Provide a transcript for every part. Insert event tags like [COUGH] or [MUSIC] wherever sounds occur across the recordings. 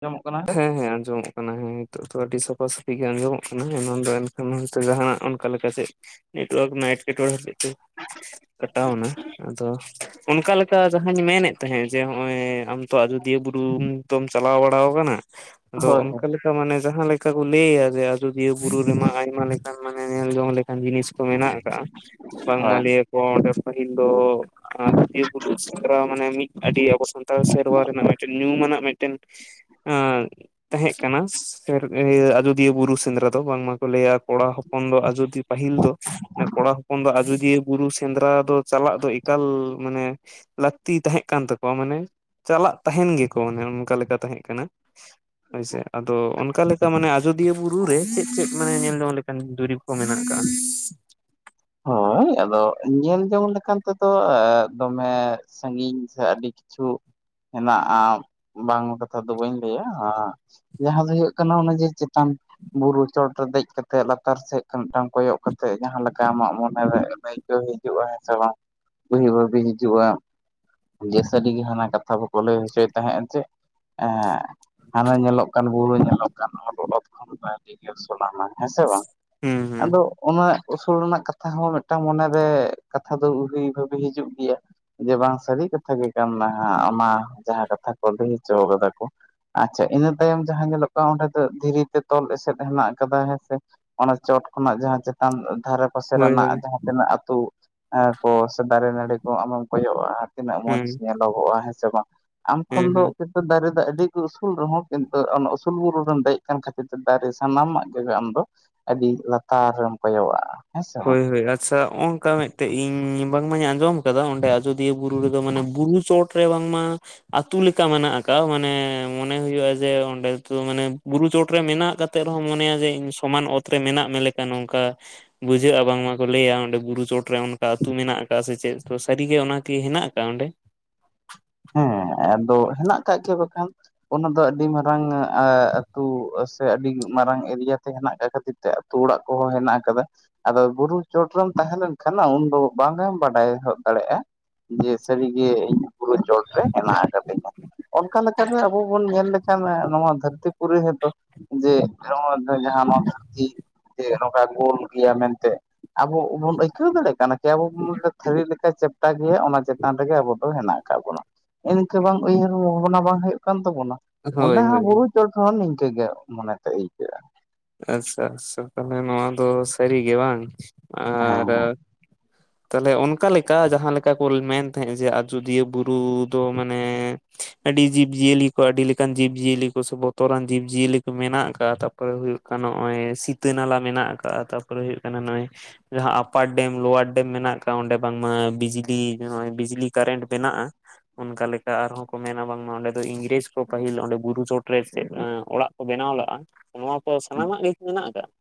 ᱟᱸᱡᱚᱢᱚᱜ ᱠᱟᱱᱟ ᱾ ᱦᱮᱸᱦᱮᱸ ᱟᱸᱡᱚᱢᱚᱜ ᱠᱟᱱᱟ ᱱᱤᱛᱚᱜ ᱫᱚ ᱟᱹᱰᱤ ᱥᱟᱯᱷᱟ ᱥᱟᱹᱯᱷᱤ ᱜᱮ ᱟᱸᱡᱚᱢᱚᱜ ᱠᱟᱱᱟ ᱮᱱᱟᱱ ᱫᱚ ᱮᱱᱠᱷᱟᱱ ᱦᱚᱭᱛᱚ ᱡᱟᱦᱟᱱᱟᱜ ᱚᱱᱠᱟ ᱞᱮᱠᱟ ᱪᱮᱫ᱾ ᱱᱮᱴᱣᱟᱨᱠ ᱨᱮᱱᱟᱜ ᱮᱴᱠᱮ ᱴᱚᱲᱮ ᱦᱚᱛᱮᱛᱮ᱾ ᱠᱟᱴᱟᱣᱱᱟ ᱟᱫᱚ ᱚᱱᱠᱟᱞᱮᱠᱟ ᱡᱟᱦᱟᱸᱧ ᱢᱮᱱᱮᱫ ᱛᱟᱦᱮᱸᱫ ᱡᱮ ᱦᱚᱸᱜ-ᱚᱭ ᱟᱢ ᱛᱚ ᱟᱡᱚᱫᱤᱭᱟᱹ ᱵᱩᱨᱩ ᱛᱚᱢ ᱪᱟᱞᱟᱣ ᱵᱟᱲᱟ ᱟᱠᱟᱱᱟ, ᱟᱫᱚ ᱦᱳᱭ ᱚᱱᱠᱟ ᱞᱮ ᱞᱮᱠᱟ ᱢᱟᱱᱮ ᱡᱟᱦᱟᱸ ᱞᱮᱠᱟ ᱠᱚ ᱞᱟᱹᱭᱟ, ᱡᱮ ᱟᱡᱚᱫᱤᱭᱟᱹ ᱵᱩᱨᱩ ᱨᱮᱢᱟ ᱟᱭᱢᱟ ᱞᱮᱠᱟᱱ ᱢᱟᱱᱮ ᱧᱮᱞ ᱡᱚᱝ ᱞᱮᱠᱟᱱ ᱡᱤᱱᱤᱥ᱾ ᱢᱮᱱᱟᱜ ᱟᱠᱟᱜ-ᱟ, ᱵᱟᱝᱢᱟ ᱞᱟᱭᱟᱠᱚ ᱚᱸᱰᱮ ᱯᱟᱹᱦᱤᱞ ᱫᱚ ᱟᱡᱚᱫᱤᱭᱟᱹ ᱵᱩᱨᱩ ᱥᱮᱫᱨᱟ ᱢᱟᱱᱮ ᱢᱤᱫ ᱟᱹᱰᱤ ᱟᱵᱚ ᱥᱟᱱᱛᱟᱲ ᱥᱮᱨᱣᱟ ᱨᱮᱱᱟᱜ ᱢᱤᱫᱴᱮᱱ ᱧᱩᱢᱟᱱᱟᱜ ᱢᱤᱫᱴᱮᱱ ᱦᱮᱸ ᱛᱟᱦᱮᱸᱜ ᱠᱟᱱᱟ [UNINTELLIGIBLE] ᱫᱤᱭᱟᱹ ᱵᱩᱨᱩ ᱥᱮᱸᱫᱽᱨᱟ ᱫᱚ ᱵᱟᱝᱢᱟᱠᱚ ᱞᱟᱹᱭᱟ ᱠᱚᱲᱟ ᱦᱚᱯᱚᱱ ᱫᱚ ᱟᱡᱚᱫᱤᱭᱟᱹ ᱯᱟᱹᱦᱤᱞ ᱫᱚ ᱠᱚᱲᱟ ᱦᱚᱯᱚᱱ ᱫᱚ ᱟᱡᱚᱫᱤᱭᱟᱹ ᱵᱩᱨᱩ ᱥᱮᱸᱫᱽᱨᱟ ᱫᱚ ᱪᱟᱞᱟᱜ ᱫᱚ ᱮᱠᱟᱞ ᱢᱟᱱᱮ ᱞᱟᱹᱠᱛᱤ ᱛᱟᱦᱮᱸᱜ ᱠᱟᱱ ᱛᱟᱠᱚᱣᱟ ᱢᱟᱱᱮ ᱪᱟᱞᱟᱜ ᱛᱟᱦᱮᱱ ᱜᱮᱠᱚ ᱚᱱᱮ ᱚᱱᱠᱟ ᱞᱮᱠᱟ ᱛᱟᱦᱮᱸ ᱠᱟᱱᱟ᱾ [INAUDIBLE] ᱦᱳᱭ ᱥᱮ ᱟᱫᱚ ᱚᱱᱠᱟ ᱞᱮᱠᱟ ᱢᱟᱱᱮ ᱟᱡᱚᱫᱤᱭᱟᱹ ᱵᱩᱨᱩ ᱨᱮ ᱪᱮᱫ ᱪᱮᱫ ᱢᱟᱱᱮ ᱧᱮᱞᱡᱚᱝ ᱞᱮᱠᱟᱱ ᱫᱩᱨᱤᱵᱽ ᱠᱚ ᱢᱮᱱᱟᱜ ᱠᱟᱜ-ᱟ? ᱦᱳᱭ, ᱟᱫᱚ ᱧᱮᱞ ᱡᱚᱝ ᱞᱮᱠᱟᱱ ᱛᱮᱫᱚ ᱫᱚᱢᱮ ᱥᱟᱺᱜᱤᱧ ᱥᱮ ᱟᱹᱰᱤ ᱠᱤᱪᱷᱩ᱾ ᱦᱮᱱᱟᱜ-ᱟ, ᱵᱟᱝᱟ ᱠᱟᱛᱷᱟ ᱫᱚ ᱵᱟᱹᱧ ᱞᱟᱹᱭᱟ᱾ ᱡᱟᱦᱟᱸ ᱫᱚ ᱦᱩᱭᱩᱜ ᱠᱟᱱᱟ ᱚᱱᱮ ᱡᱮ ᱪᱮᱛᱟᱱ ᱵᱩᱨᱩ ᱪᱚᱴ ᱨᱮ ᱫᱮᱡ ᱠᱟᱛᱮᱜ ᱞᱟᱛᱟᱨ ᱥᱮᱫ ᱠᱷᱚᱱ ᱢᱤᱫᱴᱟᱝ ᱠᱚᱭᱚᱜ ᱠᱟᱛᱮᱜ ᱡᱟᱦᱟᱸ ᱞᱮ ᱠᱟ ᱟᱢᱟᱜ ᱢᱚᱱᱮᱨᱮ ᱟᱹᱭᱠᱟᱹᱣ ᱦᱤᱡᱩᱜ-ᱟ ᱦᱮᱸ ᱥᱮ ᱵᱟᱝ ᱩᱭᱦᱟᱹᱨ ᱵᱷᱟᱹᱵᱤ ᱦᱤᱡᱩᱜ-ᱟ᱾ ᱡᱮ ᱥᱟᱹᱨᱤᱜᱮ ᱦᱟᱱᱟ ᱠᱟᱛᱷᱟ ᱠᱚ ᱠᱚ ᱞᱟᱹᱭ ᱦᱚᱪᱚᱭ ᱮᱫ ᱛᱟᱦᱮᱜ-ᱟ ᱡᱮ ᱦᱟᱱᱮ ᱧᱮᱞᱚᱜ ᱠᱟᱱ ᱵᱩᱨᱩ ᱧᱮᱞᱚᱜ ᱠᱟᱱ ᱚᱛ ᱠᱷᱚᱱ ᱫᱚ ᱟᱹᱰᱤ ᱜᱮ ᱩᱥᱩᱞᱟᱱᱟ᱾ ᱦᱮᱸ ᱥᱮ ᱵᱟᱝ, ᱦᱩᱸ ᱦᱩᱸ ᱟᱫᱚ ᱚᱱᱮ ᱨᱮᱱᱟᱜ ᱠᱟᱛᱷᱟ ᱦᱚᱸ ᱢᱤᱫᱴᱟᱝ ᱢᱚᱱᱮᱨᱮ ᱠᱟᱛᱷᱟ ᱫᱚ ᱩᱦᱤ ᱵᱷᱟᱹᱵᱤ ᱦᱤᱡᱩᱜ ᱜᱮᱭᱟ᱾ ᱡᱮ ᱵᱟᱝ ᱥᱟᱹᱨᱤ ᱠᱟᱛᱷᱟ ᱜᱮ ᱠᱟᱱᱟ ᱚᱱᱟ ᱡᱟᱦᱟᱸ ᱠᱟᱛᱷᱟ ᱠᱚ ᱞᱟᱹᱭ ᱦᱚᱪᱚ ᱠᱟᱫᱟ ᱠᱚ᱾ ᱟᱪᱪᱷᱟ, ᱤᱱᱟᱹ ᱛᱟᱭᱚᱢ ᱡᱟᱦᱟᱸ ᱧᱮᱞᱚᱜ ᱠᱟᱱᱟ ᱚᱸᱰᱮ ᱫᱚ ᱫᱷᱤᱨᱤ ᱛᱮ ᱛᱚᱞ ᱮᱥᱮᱫ ᱦᱮᱱᱟᱜ ᱟᱠᱟᱫᱟ ᱦᱮᱸ ᱥᱮ᱾ ᱚᱱᱟ ᱪᱚᱴ ᱠᱷᱚᱱᱟᱜ ᱡᱟᱦᱟᱸ ᱪᱮᱛᱟᱱ᱾ ᱫᱷᱟᱨᱮ ᱯᱟᱥᱮ ᱦᱳᱭ ᱦᱳᱭ ᱨᱮᱱᱟᱜ ᱡᱟᱦᱟᱸ ᱛᱤᱱᱟᱹᱜ ᱟᱛᱩ ᱠᱚ ᱥᱮ ᱫᱟᱨᱮ ᱱᱟᱹᱲᱤ ᱠᱚ ᱟᱢ ᱮᱢ ᱠᱚᱭᱚᱜᱟᱜ-ᱟ᱾ ᱛᱤᱱᱟᱹᱜ ᱢᱚᱡᱽ ᱦᱩᱸ ᱧᱮᱞᱚᱜᱚᱜ-ᱟ ᱦᱮᱸ ᱥᱮ ᱵᱟᱝ, ᱟᱢ ᱦᱮᱸ ᱠᱷᱚᱱ ᱦᱮᱸ ᱫᱚ ᱫᱟᱨᱮ ᱫᱚ ᱟᱹᱰᱤ ᱩᱥᱩᱞ ᱨᱮᱦᱚᱸ, ᱠᱤᱱᱛᱩ ᱚᱱᱟ ᱩᱥᱩᱞ ᱵᱩᱨᱩ ᱨᱮᱢ ᱫᱮᱡ ᱟᱠᱟᱱ ᱠᱷᱟᱹᱛᱤᱨ ᱛᱮ ᱫᱟᱨᱮ ᱥᱟᱱᱟᱢᱟᱜ ᱜᱮ ᱟᱢ ᱫᱚ ᱟᱹᱰᱤ ᱞᱟᱛᱟᱨ ᱨᱮᱢ ᱠᱚᱭᱚᱜᱟᱜ-ᱟ᱾ ᱦᱳᱭ ᱦᱳᱭ, ᱟᱪᱪᱷᱟ ᱦᱚ-ᱚᱝᱠᱟ ᱢᱤᱫᱴᱮᱡ ᱤᱧ ᱵᱟᱝᱢᱟᱧ ᱟᱸᱡᱚᱢ ᱠᱟᱫᱟ ᱚᱸᱰᱮ ᱟᱡᱚᱫᱤᱭᱟᱹ ᱵᱩᱨᱩ ᱵᱩᱨᱩ ᱨᱮ, ᱢᱟᱱᱮ ᱵᱩᱨᱩ ᱪᱚᱴ ᱨᱮ ᱵᱟᱝᱢᱟ ᱟᱹᱛᱩ ᱞᱮᱠᱟ ᱢᱮᱱᱟᱜ ᱟᱠᱟᱜ-ᱟ, ᱢᱟᱱᱮ ᱢᱚᱱᱮ ᱦᱩᱭᱩᱜ-ᱟ ᱡᱮ ᱚᱸᱰᱮᱚ ᱢᱟᱱᱮ ᱵᱩᱨᱩ ᱪᱚᱴᱨᱮ ᱢᱮᱱᱟᱜ ᱠᱟᱫ ᱛᱮᱫ ᱨᱮᱦᱚᱸ ᱢᱚᱱᱮᱭᱟ ᱡᱮ ᱤᱧ ᱥᱚᱢᱟᱱ ᱚᱛ ᱨᱮ ᱢᱮᱱᱟᱜ ᱢᱮ ᱞᱮᱠᱟ ᱱᱚᱝᱠᱟ ᱵᱩᱡᱷᱟᱹᱜ-ᱟ ᱵᱟᱝᱢᱟᱠᱚ ᱞᱟᱹᱭᱟ ᱚᱸᱰᱮ ᱵᱩᱨᱩ ᱪᱚᱴᱨᱮ ᱚᱱᱠᱟ ᱟᱹᱛᱩ ᱢᱮᱱᱟᱜ ᱟᱠᱟᱫ ᱥᱮ ᱪᱮᱫ, ᱛᱚ ᱥᱟᱹᱨᱤ ᱜᱮ ᱚᱱᱟᱠᱤ ᱦᱮᱱᱟᱜ ᱟᱠ-ᱟ ᱚᱸᱰᱮ? ᱦᱮᱸ, ᱟᱫᱚ ᱦᱮᱱᱟᱜ ᱠᱟᱜ ᱜᱮ ᱵᱟᱠᱷᱟᱱ᱾ ᱚᱱᱟ ᱫᱚ ᱟᱹᱰᱤ ᱢᱟᱨᱟᱝ ᱟ-ᱟᱛᱩ ᱥᱮ ᱟᱹᱰᱤ ᱢᱟᱨᱟᱝ ᱮᱨᱤᱭᱟ ᱛᱮ ᱦᱮᱱᱟᱜ ᱟᱠᱟᱫ ᱠᱷᱟᱹᱛᱤᱨ ᱛᱮ ᱛᱩ ᱚᱲᱟᱜ ᱠᱚᱦᱚᱸ ᱦᱮᱱᱟᱜ ᱠᱟᱫᱟ᱾ ᱟᱫᱚ ᱵᱩᱨᱩ ᱪᱚᱴᱨᱮᱢ ᱛᱟᱦᱮᱸ ᱞᱮᱱᱠᱷᱟᱱ ᱩᱱᱫᱚ ᱵᱟᱝ ᱦᱚᱢ ᱵᱟᱰᱟᱭ ᱦᱚᱚᱱ ᱫᱟᱲᱮᱭᱟᱜ-ᱟ᱾ ᱡᱮ ᱥᱟᱹᱨᱤ ᱜᱮ ᱤᱧ ᱵᱩᱨᱩ ᱪᱚᱴ ᱨᱮ ᱦᱮᱱᱟᱜ ᱠᱟᱫᱤᱧᱟ, ᱚᱱᱠᱟ ᱞᱮᱠᱟ ᱟᱵᱚ ᱵᱚᱱ ᱧᱮᱞ ᱞᱮᱠᱷᱟᱱ ᱱᱚᱣᱟ ᱫᱷᱟᱹᱨᱛᱤ ᱯᱩᱨᱤ ᱦᱮᱫᱚ᱾ ᱡᱮ ᱡᱟᱦᱟᱸ ᱱᱚᱣᱟ ᱫᱷᱟᱹᱨᱛᱤ ᱱᱚᱝᱠᱟ ᱜᱳᱞ᱾ ᱜᱮᱭᱟ ᱢᱮᱱᱛᱮ ᱟᱵᱚ ᱵᱚᱱ ᱟᱹᱭᱠᱟᱹᱣ ᱫᱟᱲᱮᱜ ᱠᱟᱱᱟ᱾ ᱡᱮ ᱟᱵᱚ ᱵᱚᱱ ᱢᱚᱱᱮᱭᱟ ᱛᱷᱟᱹᱨᱤ ᱞᱮᱠᱟ ᱪᱮᱯᱴᱟ ᱜᱮᱭᱟ ᱚᱱᱟ ᱪᱮᱛᱟᱱ ᱨᱮᱜᱮ ᱟᱵᱚ ᱫᱚ ᱦᱮᱱᱟᱜ ᱠᱟᱜ ᱵᱚᱱᱟ ᱤᱱᱠᱟᱹ ᱵᱟᱝ ᱩᱭᱦᱟᱹᱨ ᱵᱷᱟᱵᱽᱱᱟ ᱵᱟᱝ ᱦᱩᱭᱩᱜ ᱠᱟᱱ ᱛᱟᱵᱚᱱᱟ ᱦᱳᱭ ᱚᱸᱰᱮ ᱦᱚᱸ ᱦᱳᱭ ᱵᱩᱨᱩ ᱡᱚ ᱛᱷᱚᱱ ᱦᱚᱸ ᱱᱤᱝᱠᱟᱹᱜ ᱜᱮ ᱢᱚᱱᱮᱛᱮ ᱟᱹᱭᱠᱟᱹᱜ-ᱟ ᱾ ᱟᱪᱷᱟ ᱟᱪᱷᱟ ᱛᱟᱦᱚᱞᱮ ᱱᱚᱣᱟ ᱫᱚ ᱥᱟᱹᱨᱤ ᱜᱮ ᱵᱟᱝ ᱦᱮᱸ ᱟᱨ ᱾ ᱛᱟᱦᱚᱞᱮ ᱚᱱᱠᱟ ᱞᱮᱠᱟ ᱡᱟᱦᱟᱸ ᱞᱮᱠᱟ ᱠᱚ ᱢᱮᱱ ᱛᱟᱦᱮᱸᱫ ᱡᱮ ᱟᱡᱚᱫᱤᱭᱟᱹ ᱵᱩᱨᱩ ᱫᱚ ᱢᱟᱱᱮ ᱾ ᱟᱹᱰᱤ ᱡᱤᱵᱡᱤᱭᱟᱹᱞᱤ ᱠᱚ ᱟᱹᱰᱤᱞᱮᱠᱟᱱ ᱡᱤᱵᱡᱤᱭᱟᱹᱞᱤ ᱠᱚ ᱥᱮ ᱵᱚᱛᱚᱨᱟᱱ ᱡᱤᱵᱡᱤᱭᱟᱹᱞᱤ ᱠᱚ ᱢᱮᱱᱟᱜ ᱟᱠᱟᱫ-ᱟ ᱛᱟᱯᱚᱨᱮ ᱦᱩᱭᱩᱜ ᱾ ᱱᱚᱜ-ᱚᱭ ᱥᱤᱛᱟᱹ ᱱᱟᱞᱟ ᱢᱮᱱᱟᱜ ᱟᱠᱟᱜᱼᱟ ᱛᱟᱨᱯᱚᱨᱮ ᱦᱩᱭᱩᱜ ᱠᱟᱱᱟ ᱱᱚᱜ-ᱚᱭ ᱾ ᱡᱟᱦᱟᱸ ᱟᱯᱟᱨ ᱰᱮᱢ ᱞᱳᱣᱟᱨ ᱰᱮᱢ ᱢᱮᱱᱟᱜ ᱟᱠᱟᱫ ᱚᱸᱰᱮ ᱵᱟᱝᱢᱟ ᱵᱤᱡᱽᱞᱤ ᱱᱚᱜᱚᱭ ᱵᱤᱡᱽᱞᱤ ᱠᱟᱨᱮᱱᱴ ᱵᱮᱱᱟᱜᱼᱟ ᱾ ᱚᱱᱠᱟ ᱞᱮᱠᱟ ᱟᱨᱦᱚᱸ ᱠᱚ ᱢᱮᱱᱟ ᱵᱟᱝᱢᱟ ᱚᱸᱰᱮ ᱫᱚ ᱤᱝᱨᱮᱡᱽ ᱠᱚ ᱯᱟᱹᱦᱤᱞ ᱚᱸᱰᱮ ᱵᱩᱨᱩ ᱪᱚᱴᱨᱮ ᱪᱮᱫ ᱚᱲᱟᱜ ᱾ ᱠᱚ ᱵᱮᱱᱟᱣ ᱞᱟᱜᱼᱟ ᱱᱚᱣᱟ ᱠᱚ ᱥᱟᱱᱟᱢᱟᱜ ᱜᱮ ᱠᱤ ᱢᱮᱱᱟᱜ ᱟᱠᱟᱜ-ᱟ ᱾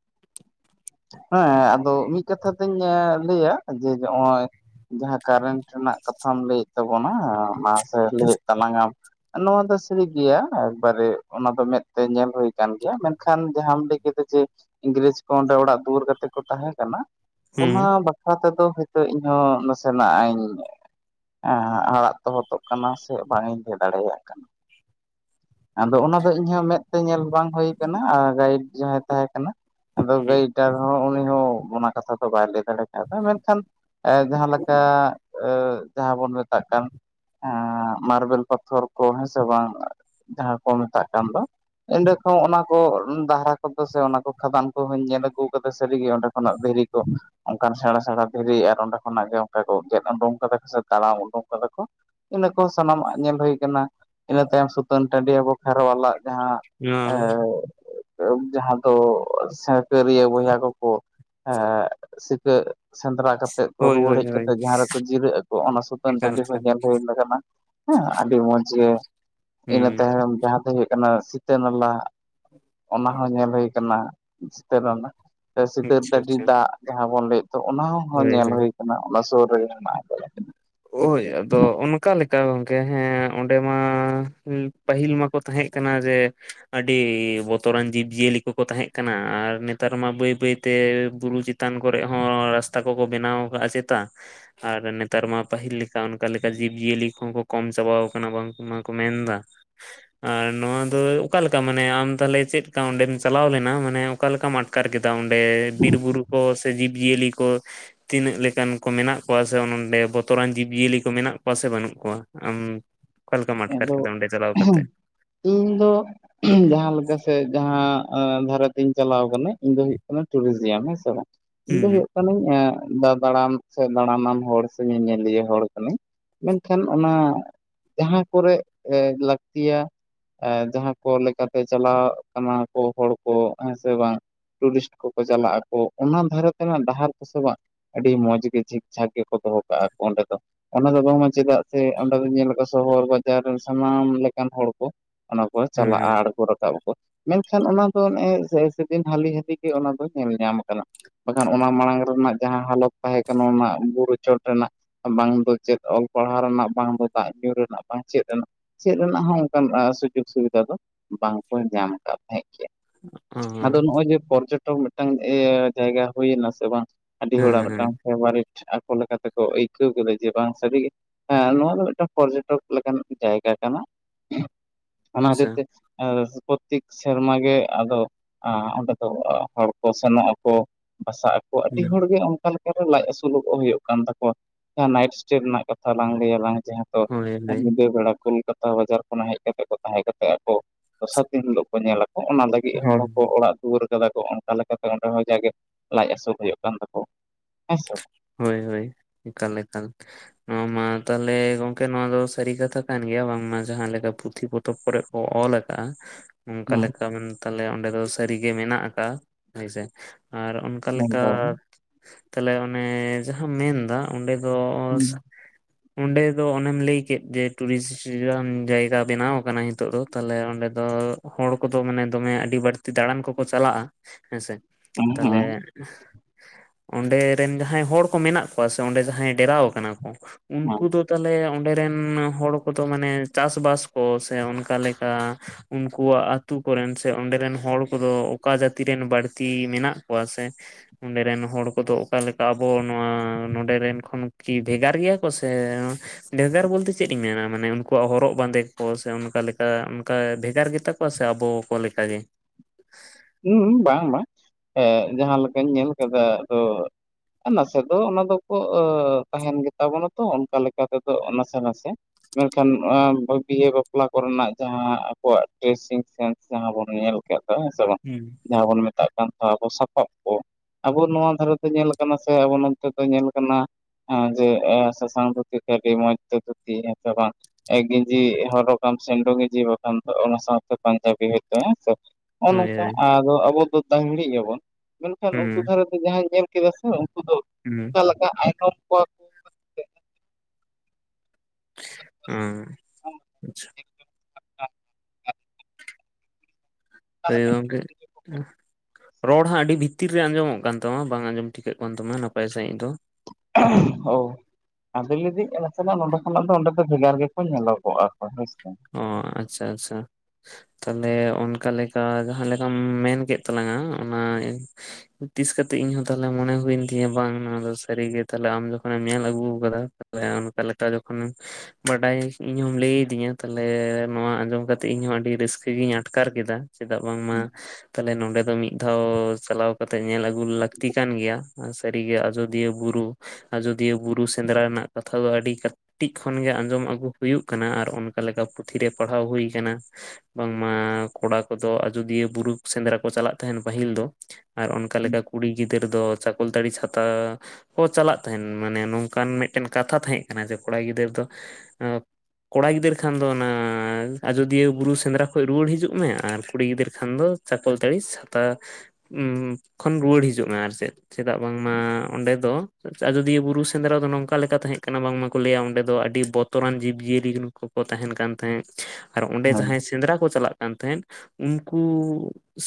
ᱦᱮᱸ ᱟᱫᱚ ᱢᱤᱫ ᱠᱟᱛᱷᱟ ᱛᱤᱧ ᱞᱟᱹᱭ ᱟ ᱡᱮ ᱱᱚᱜ-ᱚᱭ ᱾ ᱡᱟᱦᱟᱸ ᱠᱟᱨᱮᱱᱴ ᱨᱮᱱᱟᱜ ᱠᱟᱛᱷᱟᱢ ᱞᱟᱹᱭ ᱮᱫ ᱛᱟᱵᱚᱱᱟ ᱚᱱᱟ ᱥᱮ ᱞᱟᱹᱭ ᱛᱟᱞᱟᱝ ᱟᱢ ᱾ ᱱᱚᱣᱟ ᱫᱚ ᱥᱟᱹᱨᱤ ᱜᱮᱭᱟ ᱮᱠᱵᱟᱨᱮ ᱚᱱᱟ ᱫᱚ ᱢᱮᱫᱛᱮ ᱧᱮᱞ ᱦᱩᱭ ᱠᱟᱱ ᱜᱮᱭᱟ ᱢᱮᱱᱠᱷᱟᱱ ᱡᱟᱦᱟᱸᱢ ᱞᱟᱹᱭ ᱠᱮᱫᱟ ᱡᱮ ᱾ ᱤᱝᱨᱮᱡᱽ ᱠᱚ ᱚᱸᱰᱮ ᱚᱲᱟᱜ ᱫᱩᱣᱟᱹᱨ ᱠᱟᱛᱮᱜ ᱠᱚ ᱛᱟᱦᱮᱸ ᱠᱟᱱᱟ ᱦᱩᱸ ᱚᱱᱟ ᱵᱟᱠᱷ ᱾ ᱯᱟ ᱛᱮᱫᱚ ᱱᱤᱛᱚᱜ ᱤᱧᱦᱚᱸ ᱱᱟᱥᱮᱱᱟᱜ ᱤᱧ ᱾ ᱟᱲᱟᱜ ᱛᱚᱦᱚᱫᱚᱜ ᱠᱟᱱᱟ ᱥᱮ ᱵᱟᱝ ᱤᱧ ᱞᱟᱹᱭ ᱫᱟᱲᱮᱭᱟᱜ ᱠᱟᱱᱟ ᱾ ᱟᱫᱚ ᱚᱱᱟ ᱫᱚ ᱤᱧᱦᱚ ᱢᱮᱫᱛᱮ ᱧᱮᱞ ᱵᱟᱝ ᱦᱩᱭ ᱠᱟᱱᱟ ᱟᱨ ᱜᱟᱭᱤᱰ ᱡᱟᱦᱟᱸᱭ ᱛᱟᱦᱮᱸ ᱠᱟᱱᱟ ᱾ ᱟᱫᱚ ᱜᱟᱹᱭᱰ ᱟᱨ ᱦᱚᱸ ᱩᱱᱤ ᱦᱚᱸ ᱚᱱᱟ ᱠᱟᱛᱷᱟ ᱫᱚ ᱵᱟᱭ ᱞᱟᱹᱭ ᱫᱟᱲᱮ ᱠᱟᱣᱫᱟ ᱢᱮᱱᱠᱷᱟᱱ ᱾ ᱮ ᱡᱟᱦᱟᱸᱞᱮᱠᱟ ᱡᱟᱦᱟᱸ ᱵᱚᱱ ᱢᱮᱛᱟᱜ ᱠᱟᱱ ᱾ ᱢᱟᱨᱵᱮᱞ ᱯᱟᱛᱷᱚᱨ ᱠᱚ ᱦᱮᱸᱥᱮ ᱵᱟᱝ ᱡᱟᱦᱟᱸ ᱠᱚ ᱢᱮᱛᱟᱜ ᱠᱟᱱ ᱫᱚ ᱾ ᱮᱸᱰᱮ ᱠᱷᱚᱱ ᱚᱱᱟ ᱠᱚ ᱫᱟᱦᱟᱨᱟ ᱠᱚᱫᱚ ᱥᱮ ᱚᱱᱟ ᱠᱚ ᱠᱷᱟᱫᱟᱱ ᱠᱚᱦᱚᱧ ᱧᱮᱞ ᱟᱹᱜᱩ ᱾ ᱛᱚ ᱯᱮ ᱥᱟᱹᱨᱤ ᱜᱮ ᱚᱸᱰᱮ ᱠᱷᱚᱱᱟᱜ ᱫᱷᱤᱨᱤ ᱠᱚ ᱚᱱᱠᱟᱱ ᱥᱮᱬᱟ ᱥᱮᱬᱟ ᱾ ᱫᱷᱤᱨᱤ ᱟᱨ ᱚᱸᱰᱮ ᱠᱷᱚᱱᱟᱜ ᱜᱮ ᱚᱱᱠᱟ ᱠᱚ ᱜᱮᱫ ᱩᱰᱩᱝ ᱠᱟᱫᱟ ᱠᱚ ᱥᱮ ᱛᱟᱲᱟᱢ ᱩᱰᱩᱝ ᱠᱟᱫᱟ ᱠᱚ ᱾ ᱤᱱᱟᱹ ᱠᱚᱦᱚᱸ ᱥᱟᱱᱟᱢᱟᱜ ᱧᱮᱞ ᱦᱩᱭ ᱟᱠᱟᱱᱟ ᱤᱱᱟᱹ ᱛᱟᱭᱚᱢ ᱥᱩ ᱾ ᱥᱩᱛᱟᱹᱱ ᱴᱟᱺᱰᱤᱭᱟᱹᱵᱚ ᱠᱷᱮᱨᱣᱟᱞᱟᱜ ᱡᱟᱦᱟᱸ ᱾ ᱡᱟᱦᱟᱸ ᱫᱚ ᱥᱟᱠᱟᱹᱨᱤᱭᱟᱹ ᱵᱚᱭᱦᱟ ᱠᱚᱠᱚ ᱮ ᱥᱤᱠᱟᱹᱜ ᱾ ᱥᱮᱸᱫᱽᱨᱟ ᱠᱟᱛᱮᱫ ᱠᱚ ᱦᱳᱭ ᱨᱩᱣᱟᱹᱲ ᱦᱳᱭ ᱦᱮᱡ ᱦᱳᱭ ᱠᱟᱛᱮ ᱡᱟᱦᱟᱸ ᱨᱮᱠᱚ ᱡᱤᱨᱟᱹᱜ ᱟᱠᱚ ᱚᱱᱟ ᱥᱩᱛᱟᱹᱱ ᱮᱠᱟᱞ ᱴᱟᱺᱰᱤ ᱦᱚᱸ ᱮᱠᱟᱞ ᱧᱮᱞ ᱦᱩᱭ ᱠᱟᱱᱟ ᱾ ᱦᱮᱸ ᱟᱹᱰᱤ ᱢᱚᱸᱡᱽ ᱜᱮ ᱤᱱᱟᱹ ᱦᱩᱸ ᱛᱟᱭᱱᱚᱢ ᱡᱟᱦᱟᱸ ᱫᱚ ᱦᱩᱭᱩᱜ ᱠᱟᱱᱟ ᱥᱤ ᱾ ᱥᱤᱛᱟᱹ ᱱᱟᱞᱟ ᱚᱱᱟ ᱦᱚᱸ ᱧᱮᱞ ᱦᱩᱭ ᱟᱠᱟᱱᱟ ᱥᱤᱛᱟᱹ ᱱᱟᱞᱟ ᱾ ᱥᱤᱛᱟᱹᱨ ᱟᱪᱪᱷᱟ ᱰᱟᱹᱰᱤ ᱟᱪᱪᱷᱟ ᱫᱟᱜ ᱡᱟᱦᱟᱸ ᱵᱚᱱ ᱞᱟᱹᱭ ᱮᱫ ᱫᱚ ᱚᱱᱟ ᱦᱚᱸ ᱦᱳᱭ ᱧᱮᱞ ᱦᱳᱭ ᱦᱩᱭ ᱾ ᱚᱱᱟ ᱚᱱᱟ ᱥᱚᱨ ᱨᱮᱜᱮ ᱢᱮᱱᱟᱜ ᱟᱠᱟᱫᱟ ᱾ ᱦᱳᱭ ᱟᱫᱚ ᱚᱱᱟ ᱾ ᱚᱠᱟ ᱞᱮᱠᱟ ᱜᱚᱝᱠᱮ ᱦᱮᱸ ᱚᱸᱰᱮ ᱢᱟ ᱯᱟᱹᱦᱤᱞ ᱢᱟᱠᱚ ᱛᱟᱦᱮᱸᱡ ᱠᱟᱱᱟ ᱡᱮ ᱾ ᱟᱹᱰᱤ ᱵᱚᱛᱚᱨᱟᱱ ᱡᱤᱵᱽᱡᱤᱭᱟᱹᱞᱤ ᱠᱚᱠᱚ ᱛᱟᱸᱦᱮᱡ ᱠᱟᱱᱟ ᱟᱨ ᱱᱮᱛᱟᱨ ᱢᱟ ᱵᱟᱹᱭ ᱵᱟᱹᱭ ᱛᱮ ᱵᱩᱨᱩ ᱪᱤᱛ ᱾ ᱛᱟᱱ ᱠᱚᱨᱮ ᱦᱚᱸ ᱨᱟᱥᱛᱟ ᱠᱚᱠᱚ ᱵᱮᱱᱟᱣ ᱟᱠᱟᱜᱼᱟ ᱪᱮᱛᱟ ᱟᱨ ᱱᱮᱛᱟᱨ ᱢᱟ ᱾ ᱯᱟᱦᱤᱞ ᱞᱤᱠᱟ ᱚᱱᱠᱟ ᱞᱮᱠᱟ ᱡᱤᱵᱽᱡᱤᱭᱟᱹᱞᱤ ᱠᱚᱦᱚᱸ ᱠᱚ ᱠᱚᱢ ᱪᱟᱵᱟᱣ ᱟᱠᱟᱱᱟ ᱵᱟᱝ ᱠᱚ ᱢᱟ ᱠᱚ ᱢᱮᱱᱫᱟ ᱾ ᱟᱨ ᱱᱚᱣᱟ ᱫᱚ ᱚᱠᱟᱞᱮᱠᱟ ᱢᱟᱱᱮ ᱟᱢ ᱛᱟᱞᱮ ᱪᱮᱫ ᱠᱟ ᱚᱸᱰᱮᱢ ᱪᱟᱞᱟᱣ ᱞᱮᱱᱟ ᱢᱟᱱᱮ ᱚᱠᱟᱞᱮᱠᱟᱢ ᱟᱴᱠᱟᱨ ᱠᱮᱸᱫᱟ ᱾ ᱰᱮ ᱵᱤᱨ ᱵᱩᱨᱩ ᱠᱚ ᱥᱮ ᱡᱤᱵᱽᱡᱤᱭᱟᱹᱞᱤ ᱠᱚ ᱛᱤᱱᱟᱹᱜ ᱞᱮᱠᱟᱱ ᱠᱚ ᱢᱮᱱᱟᱜ ᱠᱚᱣᱟ ᱥᱮ ᱚᱱᱚᱱᱰᱮ ᱵᱚ ᱾ ᱛᱚᱨᱟᱱ ᱡᱤᱵᱽ ᱡᱤᱭᱟᱹᱞᱤ ᱠᱚ ᱢᱮᱱᱟᱜ ᱠᱚᱣᱟ ᱥᱮ ᱵᱟᱹᱱᱩᱜ ᱠᱚᱣᱟ ᱟᱢ ᱾ ᱟᱫᱚ ᱤᱧ ᱫᱚ ᱾ ᱡᱟᱦᱟᱸᱞᱮᱠᱟ ᱥᱮ ᱡᱟᱦᱟᱸ ᱫᱷᱟᱨᱮᱛᱤᱧ ᱪᱟᱞᱟᱣ ᱟᱠᱟᱱᱟ ᱤᱧ ᱫᱚ ᱦᱩᱭᱩᱜ ᱠᱟᱱᱟ ᱴᱩᱨᱤᱡᱤᱭᱟᱢ ᱾ ᱦᱮᱸᱥᱮ ᱵᱟᱝ? ᱤᱧ ᱫᱚ ᱦᱩᱸ ᱦᱳᱭᱳᱜ ᱠᱟᱹᱱᱟᱹᱧ ᱫᱟ ᱫᱟᱬᱟᱱ ᱾ ᱥᱮ ᱫᱟᱬᱟᱱᱟᱱ ᱦᱚᱲ ᱥᱮ ᱧᱮᱧᱮᱞᱤᱭᱟᱹ ᱦᱚᱲ ᱠᱟᱹᱱᱟᱹᱧ ᱢᱮᱱᱠᱷᱟᱱ ᱚᱱᱟ ᱡᱟᱦᱟᱸ ᱾ ᱠᱚᱨᱮᱜ ᱮ ᱞᱟᱹᱠᱛᱤᱭᱟ ᱾ ᱮ ᱡᱟᱦᱟᱸ ᱠᱚ ᱞᱮᱠᱟᱛᱮ ᱪᱟᱞᱟᱜ ᱠᱟᱱᱟ ᱠᱚ ᱦᱚᱲ ᱠᱚ ᱦᱮᱸ ᱥᱮ ᱵᱟᱝ ᱾ ᱴᱩᱨᱤᱥᱴ ᱠᱚᱠᱚ ᱪᱟᱞᱟᱜ ᱟᱠᱚ ᱚᱱᱟ ᱫᱷᱟᱨᱮ ᱛᱮᱱᱟᱜ ᱰᱟᱦᱟᱨ ᱠᱚ ᱥᱮ ᱵᱟᱝ ᱾ ᱟᱹᱰᱤ ᱢᱚᱡᱽ ᱜᱮ ᱡᱷᱤᱠ ᱡᱷᱟᱠ ᱜᱮᱠᱚ ᱫᱚᱦᱚ ᱠᱟᱜᱼᱟ ᱠᱚ ᱚᱸᱰᱮ ᱫᱚ ᱾ ᱚᱱᱟ ᱫᱚ ᱵᱟᱝᱢᱟ ᱪᱮᱫᱟᱜ ᱥᱮ ᱚᱸᱰᱮ ᱫᱚ ᱧᱮᱞᱟᱠᱚ ᱥᱚᱦᱚᱨ ᱵᱟ ᱡᱟᱨ ᱥᱟᱻᱱᱟᱢ ᱞᱮᱠᱟᱱ ᱦᱚᱲ ᱠᱚ ᱚᱱᱟ ᱠᱚ ᱪᱟᱞᱟᱜᱼᱟ ᱦᱩᱸ ᱟᱲᱜᱳ ᱨᱟᱠᱟᱵ ᱟᱠᱚ᱾ ᱢᱮᱱᱠᱷᱟᱱ ᱚᱱᱟ ᱫᱚ ᱱᱮᱜᱼᱮ ᱥᱮ ᱥᱮᱫᱤᱱ ᱦᱟᱹᱞᱤ ᱦᱟᱹᱞᱤ ᱜᱮ ᱚᱱᱟ ᱫᱚ ᱧᱮᱞ ᱧᱟᱢ ᱠᱟᱱᱟ᱾ ᱵᱟᱠᱷᱟᱱ ᱚᱱᱟ ᱢᱟᱲᱟᱝ ᱨᱮᱱᱟᱜ ᱡᱟᱦᱟᱸ ᱦᱟᱞᱚᱛ ᱛᱟᱦᱮᱸ ᱠᱟᱱᱟ ᱚᱱᱟ ᱵᱩᱨᱩ ᱪᱚᱴ ᱨᱮᱱᱟᱜ ᱵᱟᱝ ᱫᱚ ᱪᱮᱫ ᱚᱞ ᱯᱟᱲᱦᱟ ᱨᱮᱱᱟᱜ ᱵᱟᱝ ᱫᱚ ᱫᱟᱜ ᱧᱩ ᱨᱮᱱᱟᱜ ᱵᱟᱝ ᱪᱮᱫ ᱨᱮᱱᱟᱜ ᱪᱮᱫ ᱨᱮᱱᱟᱜ ᱦᱚᱸ ᱚᱱᱠᱟᱱ ᱥᱩᱡᱳᱜᱽ ᱥᱩᱵᱤᱫᱷᱟ ᱫᱚ ᱵᱟᱝ ᱠᱚ ᱧᱟᱢ ᱠᱟᱫ ᱛᱟᱦᱮᱸᱡ᱾ ᱚ ᱟᱫᱚ ᱱᱚᱜᱼᱚᱭ ᱡᱮ ᱯᱚᱨᱡᱚᱴᱚᱠ ᱢᱤᱫᱴᱟᱝ ᱮᱭᱟᱹ ᱡᱟᱭᱜᱟ ᱦᱩᱭ ᱮᱱᱟ ᱥᱮ ᱵᱟᱝ᱾ ᱟᱹᱰᱤ ᱦᱚᱲᱟᱜ ᱦᱮᱸ ᱢᱮᱫᱴᱟᱝ ᱦᱮᱸ ᱯᱷᱮᱵᱟᱨᱤᱴ ᱟᱠᱚ ᱞᱮᱠᱟᱛᱮ ᱠᱚ ᱟᱹᱭᱠᱟᱹᱣ ᱠᱮᱫᱟ ᱡᱮ ᱵᱟᱝ ᱥᱟᱹᱨᱤᱜᱮ ᱦᱮᱸ ᱱᱚᱣᱟ ᱫᱚ ᱢᱮᱫᱴᱟᱝ ᱯᱚᱨᱡᱚᱴᱚᱠ ᱞᱮᱠᱟᱱ ᱡᱟᱭᱜᱟ ᱠᱟᱱᱟ ᱚᱱᱟ ᱠᱷᱟᱹᱛᱤᱨ ᱟᱪᱪᱷᱟ ᱛᱮ ᱟᱨ ᱯᱨᱚᱛᱛᱤᱠ ᱥᱮᱨᱢᱟ ᱜᱮ ᱟᱫᱚ ᱟᱸ ᱚᱸᱰᱮ ᱫᱚ ᱦᱚᱲ ᱠᱚ ᱥᱮᱱᱚᱜ ᱟᱠᱚ ᱵᱟᱥᱟᱜ ᱟᱠᱚ ᱟᱹᱰᱤ ᱦᱩᱸ ᱦᱚᱲᱜᱮ ᱚᱱ ᱠᱟᱞᱮᱠᱟᱨᱮ ᱞᱟᱡ ᱟᱹᱥᱩᱞᱚᱜ ᱦᱳᱭᱳᱜ ᱠᱟᱱ ᱛᱟᱠᱚᱣᱟ ᱱᱟᱭᱤᱴ ᱥᱴᱮ ᱨᱮᱱᱟᱜ ᱠᱟᱛᱷᱟ ᱞᱟᱝ ᱞᱟᱹᱭᱟᱞᱟᱝ ᱡᱮ ᱦᱮᱸ ᱛᱚ᱾ ᱦᱳᱭ ᱦᱳᱭ ᱧᱤᱫᱟᱹ ᱵᱮᱲᱟ ᱠᱳᱞᱠᱟᱛᱟ ᱵᱟᱡᱟᱨ ᱠᱷᱚᱱᱟᱜ ᱦᱮᱡ ᱠᱟᱛᱮ ᱠᱚ ᱛᱟᱦᱮᱸ ᱠᱟᱛᱮ ᱟᱠᱚ ᱫᱚᱥᱟᱨ ᱫᱤᱱ ᱦᱤᱞᱳᱜ ᱠᱚ ᱧᱮᱞ᱾ ᱚᱱᱟ ᱞᱟᱹᱜᱤᱜ ᱦᱩᱸ ᱦᱚᱲ ᱦᱚᱸᱠᱚ ᱦᱩᱸ ᱚᱲᱟᱜ ᱫᱩᱣᱟᱹᱨ ᱠᱟᱫᱟ ᱠᱚ ᱚᱱᱠᱟ ᱞᱮᱠᱟᱛᱮ ᱚᱸᱰᱮ ᱦᱚᱸ ᱡᱟᱜᱮ ᱞᱟᱡ ᱟᱹᱥᱩᱞ ᱦᱳᱭᱳᱜ ᱠᱟᱱ ᱛᱟᱠᱚ ᱦᱮᱸᱥᱮ᱾ ᱦᱳᱭ ᱦᱳᱭ ᱮᱠᱟᱞ ᱮᱠᱟᱞ᱾ ᱱᱚᱣᱟ ᱢᱟ ᱛᱟᱦᱞᱮ ᱜᱚᱝᱠᱮ ᱱᱚᱣᱟ ᱫᱚ ᱥᱟᱹᱨᱤ ᱠᱟᱛᱷᱟ ᱠᱟᱱ ᱜᱮᱭᱟ ᱵᱟᱝᱢᱟ ᱡᱟᱦᱟᱸ ᱞᱮᱠᱟ ᱯᱩᱛᱷᱤ ᱯᱚᱛᱚᱵ ᱠᱚᱨᱮ ᱠᱚ ᱚᱞ ᱠᱟᱜᱼᱟ᱾ ᱚᱝᱠᱟ ᱦᱮᱸ ᱞᱮᱠᱟ ᱢᱮᱱ ᱛᱟᱸᱞᱮ ᱚᱸᱰᱮ ᱫᱚ ᱥᱟᱹᱨᱤ ᱜᱮ ᱢᱮᱱᱟᱜ ᱠᱟᱜᱼᱟ ᱦᱳᱭ ᱥᱮ ᱟᱨ ᱠᱟ ᱦᱮᱸ ᱞᱮᱠᱟ ᱦᱮᱸ ᱛᱟᱦᱞᱮ ᱚᱱᱮ ᱡᱟᱦᱟᱸᱢ ᱢᱮᱱ ᱫᱟ ᱚᱸᱰᱮ ᱫᱚ ᱚᱸᱰᱮ ᱫᱚ ᱚᱱᱮᱢ ᱞᱟᱹᱭ ᱠᱮᱜ ᱡᱮ ᱴᱩᱨᱤᱥᱡᱟᱱ ᱡᱟᱭᱜᱟ ᱵᱮᱱᱟᱣ ᱠᱟᱱᱟ ᱱᱤᱛᱚᱜ ᱫᱚ ᱛᱟᱦᱞᱮ ᱚᱸᱰᱮ ᱫᱚ ᱦᱚᱲ ᱠᱚᱫᱚ ᱢᱟᱱᱮ ᱫᱚᱢᱮ ᱟᱹᱰᱤ ᱵᱟᱹᱲᱛᱤ ᱫᱟᱲᱟᱱ ᱠᱚᱠᱚ ᱪᱟᱞᱟᱜᱼᱟ ᱦᱮᱸᱥᱮ᱾ ᱦᱮᱸ ᱛᱟᱦᱞᱮ ᱦᱮᱸ ᱚᱸᱰᱮ ᱰᱮᱱ ᱡᱟᱦᱟᱸᱭ ᱦᱚᱲ ᱠᱚ ᱢᱮᱱᱟᱜ ᱠᱚᱣᱟ ᱥᱮ ᱚᱸᱰᱮ ᱡᱟᱦᱟᱸᱭ ᱰᱮᱨᱟᱣ ᱠᱟᱱᱟ ᱠᱚ ᱩᱱᱠᱩ ᱫᱚ ᱛᱟᱦᱞᱮ ᱚᱸᱰᱮᱨᱮᱱ ᱦᱚᱲ ᱠᱚᱫᱚ ᱢᱟᱱᱮ ᱪᱟᱥ ᱵᱟᱥ ᱠᱚ ᱥᱮ ᱚᱱᱠᱟ ᱞᱮᱠᱟ᱾ ᱩᱱᱠᱩᱣᱟᱜ ᱟᱹᱛᱩ ᱠᱚᱨᱮᱱ ᱥᱮ ᱚᱸᱰᱮ ᱨᱮᱱ ᱦᱚᱲ ᱠᱚᱫᱚ ᱚᱠᱟ ᱡᱟᱹᱛᱤ ᱨᱮᱱ ᱵᱟᱹᱲᱛᱤ ᱢᱮᱱᱟᱜ ᱠᱚᱣᱟ? ᱥᱮ ᱚᱸᱰᱮ ᱨᱮᱱ ᱦᱚᱲ ᱠᱚᱫᱚ ᱚᱠᱟ ᱞᱮᱠᱟ ᱟᱵᱚ ᱱᱚᱣᱟ ᱱᱚᱸᱰᱮ ᱨᱮᱱ ᱠᱷᱚᱱ ᱠᱤ ᱵᱷᱮᱜᱟᱨ ᱜᱮᱭᱟ ᱠᱚ? ᱥᱮ ᱵᱷᱮᱜᱟᱨ ᱵᱚᱞᱛᱮ ᱪᱮᱫ ᱤᱧ ᱢᱮᱱᱟ ᱢᱟᱱᱮ ᱩᱱᱠᱩᱣᱟᱜ ᱦᱚᱨᱚᱜ ᱵᱟᱸᱫᱮ ᱠᱚ ᱥᱮ ᱚᱱᱠᱟ ᱞᱮᱠᱟ ᱚᱱᱠᱟ ᱵᱷᱮᱜᱟᱨ ᱜᱮᱛᱟ ᱠᱚᱣᱟ ᱥᱮ ᱟᱵᱚ ᱠᱚ ᱞᱮᱠᱟ ᱜᱮ? ᱦᱩᱸ ᱵᱟᱝ ᱵᱟᱝ ᱮ ᱡᱟᱦᱟᱸ ᱞᱮᱠᱟᱧ ᱧᱮᱞ ᱠᱟᱫᱟ ᱟᱫᱚ ᱱᱟᱥᱮ ᱫᱚ ᱚᱱᱟ ᱫᱚᱠᱚ ᱛᱟᱦᱮᱱ ᱜᱮᱛᱟ ᱵᱚᱱᱟ ᱛᱚ ᱚᱱᱠᱟ ᱞᱮᱠᱟ ᱛᱮᱫᱚ ᱱᱟᱥᱮ ᱱᱟᱥᱮ᱾ ᱢᱮᱱᱠᱷᱟᱱ ᱮ ᱵᱤᱦᱟᱹ ᱵᱟᱯᱞᱟ ᱠᱚᱨᱮᱱᱟᱜ ᱡᱟᱦᱟ ᱟᱵᱚᱣᱟᱜ ᱰᱨᱮᱥᱤᱝ ᱥᱮᱱᱥ ᱡᱟᱦᱟ ᱚᱱᱟᱵᱚᱱ ᱧᱮᱞ ᱠᱟᱜ ᱟ ᱦᱮ ᱥᱮ ᱵᱟᱝ ᱦᱩᱸ᱾ ᱡᱟᱦᱟ ᱵᱚᱱ ᱢᱮᱛᱟᱜ ᱠᱟᱱ ᱟᱵᱚ ᱥᱟᱯᱟᱵ ᱠᱚ᱾ ᱟᱵᱚ ᱱᱚᱣᱟ ᱫᱷᱟᱨᱮᱫᱮ ᱧᱮᱞ ᱠᱟᱱᱟ ᱥᱮ ᱟᱵᱚ ᱱᱚᱛᱮ ᱫᱚ ᱧᱮᱞ ᱠᱟᱱᱟ᱾ ᱮ ᱡᱮ ᱥᱟᱥᱟᱝ ᱫᱷᱩᱛᱤ ᱢᱚᱡᱛᱮ ᱫᱷᱩᱛᱤ ᱦᱮ ᱥᱮ ᱵᱟᱝ᱾ ᱮ ᱜᱮᱡᱤ ᱦᱚᱨᱚᱜ ᱟᱢ ᱥᱮᱱᱰᱚ ᱜᱮᱡᱤ ᱵᱟᱠᱷᱟᱱ ᱫᱚ ᱚᱱᱟ ᱥᱟᱶᱛᱮ ᱯᱟᱧᱡᱟᱵᱤ ᱦᱚᱭᱛᱳ ᱦᱮ ᱥᱮ᱾ ᱱᱚᱜᱼᱚ ᱦᱳᱭ ᱱᱚᱝᱠᱟ ᱦᱳᱭ ᱟᱫᱚ ᱟᱵᱚᱫᱚ ᱫᱟᱦᱲᱤ ᱜᱮᱭᱟᱵᱚᱱ ᱢᱮᱱᱠᱷᱟᱱ ᱩᱱᱠᱩ ᱦᱩᱸ ᱫᱷᱟᱨᱮ ᱡᱟᱦᱟᱸᱭ ᱧᱮᱞ ᱠᱮᱫᱮ ᱥᱮ ᱩᱱᱠᱩ ᱫᱚ ᱦᱩᱸ᱾ ᱚᱠᱟ ᱞᱮᱠᱟ [UNINTELLIGIBLE] [INAUDIBLE] [INAUDIBLE] ᱦᱳᱭ ᱜᱚᱢᱠᱮ ᱾ ᱨᱚᱲ ᱦᱚ ᱟᱹᱰᱤ ᱵᱷᱤᱛᱤᱨ ᱨᱮ ᱟᱡᱚᱢᱚᱜ ᱠᱟᱱ ᱛᱟᱢᱟ ᱵᱟᱝ ᱟᱡᱚᱢ ᱴᱷᱤᱠᱟᱹᱜ ᱠᱟᱱ ᱛᱟᱢᱟ ᱱᱟᱯᱟᱭ ᱥᱟᱦᱤᱡ ᱫᱚ᱾ ᱦᱳᱭ᱾ ᱟᱫ ᱞᱟᱹᱭᱫᱤᱧ ᱱᱟᱥᱮᱱᱟᱜ ᱱᱚᱰᱮ ᱠᱷᱚᱱᱟᱜ ᱫᱚ ᱚᱸᱰᱮ ᱫᱚ ᱵᱷᱮᱜᱟᱨ ᱜᱮᱠᱚ ᱧᱮᱞᱚᱜᱚᱜᱼᱟ ᱠᱚ ᱦᱮᱥᱮ᱾ ᱚ ᱟᱪᱷᱟ ᱟᱪᱷᱟ᱾ ᱛᱟᱦᱞᱮ ᱚᱱᱠᱟ ᱞᱮᱠᱟ ᱡᱟᱦᱟ ᱞᱮᱠᱟᱢ ᱢᱮᱱ ᱠᱮᱫ ᱛᱟᱞᱟᱝᱼᱟ ᱚᱱᱟ᱾ ᱛᱤᱥ ᱠᱟᱛᱮ ᱤᱧᱦ᱾ ᱛᱟᱦᱚᱞᱮ ᱢᱚᱱᱮ ᱦᱩᱭᱮᱱ ᱛᱤᱧᱟᱹ ᱵᱟᱝ ᱱᱚᱣᱟ ᱫᱚ ᱥᱟᱹᱨᱤᱜᱮ ᱛᱟᱦᱞᱮ ᱟᱢ ᱡᱚᱠᱷᱚᱱᱮᱢ ᱧᱮᱞ ᱟᱜᱩ ᱟᱠᱟᱫᱟ᱾ ᱚᱱᱠᱟ ᱞᱮᱠᱟ ᱡᱚᱠᱷᱚᱱᱮᱢ ᱵᱟᱰᱟᱭ ᱤᱧ ᱦᱚᱢ ᱞᱟᱹᱭ ᱟᱹᱫᱤᱧᱟ᱾ ᱛᱟᱦᱞᱮ ᱱᱚᱣᱟ ᱟᱡᱚᱢ ᱠᱟᱛᱮᱜ ᱤᱧᱦᱚ ᱟᱹᱰᱤ ᱨᱟᱹᱥᱠᱟᱹ ᱜᱤᱧ ᱟᱴᱠᱟᱨ ᱠᱮᱫᱟ ᱪᱮᱫᱟᱜ ᱵᱟᱝᱢᱟ᱾ ᱛᱟᱦᱚᱞᱮ ᱱᱚᱰᱮ ᱫᱚ ᱢᱤᱫ ᱫᱷᱟᱣ ᱪᱟᱞᱟᱣᱮᱴ ᱠᱟᱛᱮᱜ ᱧᱮᱞ ᱟᱜᱩ ᱞᱟᱹᱠᱛᱤ ᱠᱟᱱ ᱜᱮᱭᱟ ᱥᱟᱹᱨᱤᱜᱮ ᱟᱡᱚᱫᱤᱭᱟᱹ ᱵᱩᱨᱩ᱾ ᱟᱡᱚᱫᱤᱭᱟᱹ ᱵᱩᱨᱩ ᱥᱮᱸᱫᱽᱨᱟ ᱨᱮᱱᱟᱜ ᱠᱟᱛᱷᱟ ᱫᱚ ᱟᱹᱰᱤ ᱠᱟᱹᱴᱤᱡ ᱠᱷᱚᱱᱜᱮ ᱟᱸᱡᱚᱢ ᱟᱹᱜᱩ ᱦᱩᱭᱩᱜ ᱠᱟᱱᱟ ᱟᱨ ᱚᱱ᱾ ᱠᱟᱞᱮᱠᱟ ᱯᱩᱛᱷᱤ ᱨᱮ ᱯᱟᱲᱦᱟᱣ ᱦᱩᱭ ᱠᱟᱱᱟ᱾ ᱵᱟᱝᱢᱟ ᱠᱚᱲᱟ ᱠᱚᱫᱚ ᱟᱡᱫᱤᱭᱟᱹ ᱵᱩᱨᱩ ᱥᱮᱫᱽᱨᱟ ᱠᱚ ᱪᱟᱞᱟᱜ ᱛᱟᱦᱮᱱ ᱯᱟᱦᱤᱞ ᱫᱚ᱾ ᱟᱨ ᱚᱱᱠᱟ ᱞᱮᱠᱟ ᱠᱩᱲᱤ ᱜᱤᱫᱟᱹᱨᱟᱹ ᱫᱚ ᱪᱟᱠᱚᱞ ᱫᱟᱲᱤ ᱪᱷᱟᱛᱟ᱾ ᱠᱚ ᱪᱟᱞᱟᱜ ᱛᱟᱦᱮᱱ ᱢᱟᱱᱮ ᱱᱚᱝᱠᱟᱱ ᱢᱤᱫᱴᱮᱱ ᱠᱟᱛᱷᱟ ᱛᱟᱦᱮ ᱠᱟᱱᱟ ᱡᱮ ᱠᱚᱲᱟ ᱜᱤᱫᱟᱹᱨ ᱫᱚ᱾ ᱚ ᱠᱚᱲᱟ ᱜᱤᱫᱨᱟᱹ ᱾ ᱠᱷᱟᱱ ᱫᱚ ᱚᱱᱟ ᱟᱡᱚᱫᱤᱭᱟᱹ ᱵᱩᱨᱩ ᱥᱮᱫᱽᱨᱟ ᱠᱷᱚᱱ ᱨᱩᱣᱟᱹᱲ ᱦᱤᱡᱩᱜ ᱢᱮ᱾ ᱟᱨ ᱠᱩᱲᱤ ᱜᱤᱫᱟᱹᱨ ᱠᱷᱟᱱ ᱫᱚ᱾ ᱪᱟᱠᱚᱞᱛᱟᱹᱲᱤ ᱪᱛᱟ ᱠᱷᱚᱱ ᱨᱩᱣᱟᱹᱲ ᱦᱤᱡᱩᱜ ᱢᱮ ᱟᱨ ᱪᱮᱫ᱾ ᱪᱮᱫᱟᱜ ᱵᱟᱝᱢᱟ ᱚᱸᱰᱮ ᱫᱚ ᱟᱡᱚᱫᱤᱭᱟᱹ ᱵᱩᱨᱩ ᱥᱮᱫᱽᱨᱟ ᱫᱚ ᱱᱚᱝᱠᱟ ᱞᱮᱠᱟ ᱛᱟᱦᱮ ᱠᱟᱱᱟ ᱵᱟᱝᱢᱟᱠᱚ ᱞᱟᱹᱭᱟ ᱚᱸᱰᱮ ᱫᱚ ᱟᱹᱰᱤ ᱵᱚᱛ᱾ ᱛᱚᱨᱟᱱ ᱡᱤᱵ ᱡᱤᱭᱟᱹᱞᱤ ᱠᱚᱠᱚ ᱛᱟᱦᱮᱱ ᱠᱟᱱ ᱛᱟᱦᱮᱸᱫ ᱟᱨ ᱚᱸᱰᱮ ᱦᱮᱸ ᱡᱟᱦᱟᱸᱭ ᱥᱮᱸᱫᱽᱨᱟ ᱠᱚ ᱪᱟᱞᱟᱜ ᱠᱟᱱ ᱛᱟᱦᱮᱸᱫ᱾ ᱩᱱᱠᱩ᱾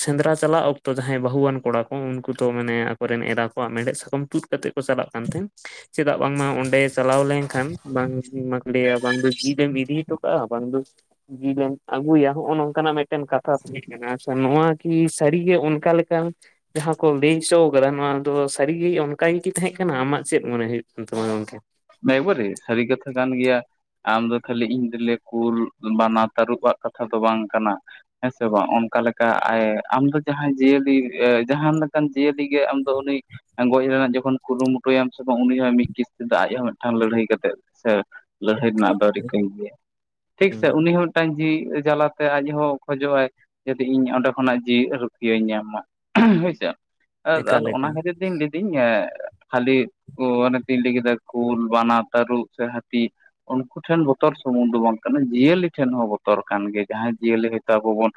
ᱥᱮᱫᱽᱨᱟ ᱪᱟᱞᱟᱜ ᱚᱠᱛᱚ ᱡᱟᱦᱟᱸᱭ ᱵᱟᱹᱦᱩᱣᱟᱱ ᱠᱚᱲᱟ ᱠᱚ ᱩᱱᱠᱩ ᱫᱚ ᱢᱟᱱᱮ ᱟᱠᱚᱨᱮᱱ ᱮᱨᱟ ᱠᱚᱣᱟᱜ ᱢᱮᱲᱦᱮᱫ ᱥᱟᱠᱟᱢ ᱛᱩᱫ᱾ ᱠᱟᱛᱮᱜ ᱠᱚ ᱪᱟᱞᱟᱜ ᱠᱟᱱ ᱛᱟᱦᱮᱸᱫ᱾ ᱪᱮᱫᱟᱜ ᱵᱟᱝᱢᱟ ᱚᱸᱰᱮ ᱪᱟᱞᱟᱣ ᱞᱮᱱᱠᱷᱟᱱ ᱵᱟᱝ ᱵᱟᱝ ᱜᱤᱛ᱾ ᱤᱫᱤ ᱴᱚᱠᱟᱜᱼᱟ ᱵᱟᱝ ᱫᱚ᱾ ᱡᱤᱞᱤᱢ ᱟᱹᱜᱩᱭᱟ ᱦᱚᱜᱼᱚ ᱱᱚᱝᱠᱟᱱᱟᱜ ᱢᱤᱫᱴᱮᱱ ᱠᱟᱛᱷᱟ ᱛᱟᱦᱮ ᱠᱟᱱᱟ ᱱᱚᱣᱟ ᱠᱤ ᱥᱟᱹᱨᱤᱜᱮ ᱚᱱᱠᱟ ᱞᱮᱠᱟ᱾ ᱡᱟᱦᱟ ᱠᱚ ᱞᱟᱹᱭ ᱦᱚᱪᱚ ᱟᱠᱟᱫᱟ ᱱᱚᱣᱟ ᱫᱚ ᱥᱟᱹᱨᱤᱜᱮ ᱚᱱᱠᱟ ᱜᱮᱠᱤ ᱛᱟᱦᱮ ᱠᱟᱱᱟ ᱟᱢᱟᱜ ᱪᱮᱫ ᱢᱚᱱᱮ ᱦᱩᱭᱩᱜ ᱠᱟᱱ ᱛᱟᱢᱟ ᱜᱚᱢᱠᱮ? ᱮᱠᱵᱟᱨᱮ ᱥᱟᱹᱨᱤ ᱠᱟᱛᱷᱟ ᱠᱟᱱ ᱜᱮᱭᱟ᱾ ᱟᱢᱫᱚ ᱠᱷᱟᱹᱞᱤ ᱤᱧ ᱫᱚᱞᱮ ᱠᱩᱞ ᱵᱟᱱᱟ ᱛᱟᱹᱨᱩᱵ ᱟᱜ ᱠᱟᱛᱷᱟ ᱫᱚ ᱵᱟᱝ ᱠᱟᱱᱟ᱾ ᱦᱮ ᱥᱮ ᱵᱟᱝ ᱚᱱᱠᱟ ᱞᱮᱠᱟ ᱟᱢ ᱫᱚ ᱡᱟᱦᱟᱭ ᱡᱤᱭᱟᱹᱞᱤ ᱡᱟᱦᱟᱸ ᱞᱮᱠᱟᱱ ᱡᱤᱭᱟᱹᱞᱤ ᱜᱮ ᱟᱢ ᱫᱚ ᱩᱱᱤ᱾ ᱜᱚᱡ ᱨᱮᱱᱟᱜ ᱡᱚᱠᱷᱚᱱ ᱠᱩᱨᱩᱢᱩᱴᱩᱭᱟᱢ ᱥᱮ ᱵᱟᱝ ᱩᱱᱤ ᱦᱚᱸ ᱢᱤᱫ ᱠᱤᱥ᱾ ᱟᱡ ᱦᱚ ᱢᱤᱫᱴᱟᱝ ᱞᱟᱹᱲᱦᱟᱹᱭ ᱠᱟᱛᱮᱫ ᱥᱮ ᱞᱟᱹᱲᱦᱟᱹᱭ ᱨᱮᱱᱟᱜ ᱫᱚ ᱨᱤᱠᱟᱹᱭ ᱜᱮᱭᱟ ᱴᱷᱤᱠ ᱦᱩᱸ ᱥᱮ ᱩᱱᱤ ᱦᱚᱸᱞ᱾ ᱢᱤᱫᱴᱟᱝ ᱡᱤᱣᱤ ᱡᱟᱞᱟ ᱛᱮ ᱟᱡ ᱦᱚ ᱠᱷᱚᱡᱚᱜᱼᱟᱭ᱾ ᱡᱩᱫᱤ ᱤᱧ ᱚᱸᱰᱮ ᱠᱷᱚᱱᱟᱜ ᱡᱤᱣ ᱨᱩᱠᱷᱤᱭᱟᱧ ᱧᱟᱢ ᱢᱟ ᱦᱳᱭᱥᱮ᱾ ᱮᱫ ᱮᱠᱟᱞ ᱟᱫᱚ ᱚᱱᱟ ᱮᱠᱟᱞ ᱠᱷᱟᱛᱤᱨ ᱛᱤᱧ ᱞᱟᱹᱭᱫᱟᱹᱧ ᱠᱷᱟᱹᱞᱤ ᱠᱚ ᱟᱱᱟ ᱛᱤᱧ ᱞᱟᱹᱭ ᱠᱮᱫᱟ᱾ ᱠᱩᱞ ᱵᱟᱱᱟ ᱛᱟᱹᱴᱨᱩᱵ ᱥᱮ ᱦᱟᱛᱤ᱾ ᱩᱱᱠᱩ ᱴᱷᱮᱱ ᱵᱚᱛᱚᱨ ᱥᱩᱢᱩᱝ ᱫᱚ ᱵᱟᱝ ᱠᱟᱱᱟ ᱡᱤᱭᱟᱹᱞᱤ ᱴᱷᱮᱱ ᱦᱚᱸ ᱵᱚᱛᱚᱨ ᱠᱟᱱ ᱜᱮᱭᱟ᱾ ᱡᱟᱦᱟᱸᱭ ᱡᱤᱭᱟᱹᱞᱤ ᱦᱚᱭᱛᱚ ᱟᱵᱚ ᱵᱚᱱ᱾